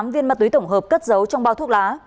tám viên ma túy tổng hợp cất giấu trong bao thuốc lá